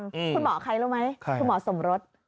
คุณหมอใครรู้ไหมคุณหมอสมรส